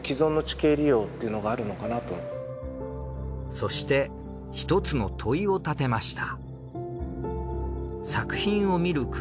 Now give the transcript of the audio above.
そして一つの問いを立てました。